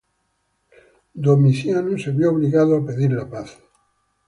Domiciano se vio obligado a pedir la paz.